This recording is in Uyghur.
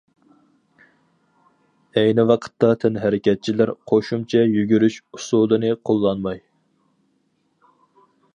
ئەينى ۋاقىتتا تەنھەرىكەتچىلەر قوشۇمچە يۈگۈرۈش ئۇسۇلىنى قوللانماي.